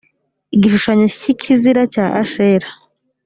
igishushanyo cy ikizira cya ashera